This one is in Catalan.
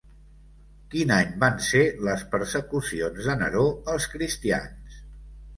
Quin any van ser les persecucions de Neró als cristians?